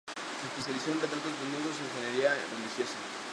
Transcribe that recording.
Se especializó en retratos, desnudos e imaginería religiosa.